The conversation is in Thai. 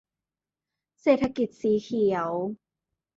เศรษฐกิจสีเขียว